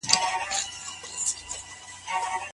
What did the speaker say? اګوستین پر کلیسا ډېر ټینګ باور درلود.